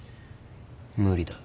無理だ。